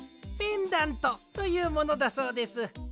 ペンダントというものだそうです。